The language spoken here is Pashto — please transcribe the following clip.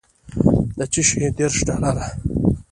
د چشي دېرش ډالره.